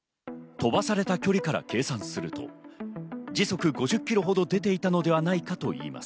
飛ばされた距離から計算すると時速５０キロほど出ていたのではないかといいます。